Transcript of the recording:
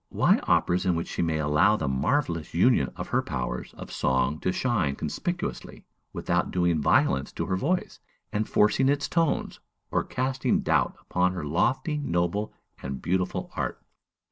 why operas in which she may allow the marvellous union of her powers of song to shine conspicuously, without doing violence to her voice and forcing its tones, or casting doubt upon her lofty, noble, and beautiful art?